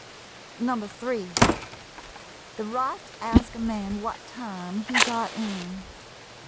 No. 3 — the right to ask a man what time he got in.